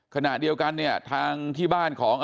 ขณะเดียวกันเนี่ยทางที่บ้านของ